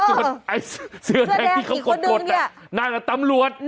เออเสื้อแดงกี่คนดึงเนี่ยน่าจะตำรวจ